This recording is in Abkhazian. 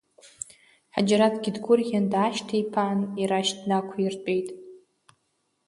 Ҳаџьараҭгьы дгәырӷьан даашьҭиԥаан, ирашь днақәиртәеит.